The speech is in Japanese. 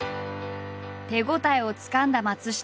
手応えをつかんだ松下。